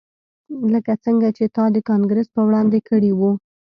لکه څنګه چې تا د کانګرس په وړاندې کړي وو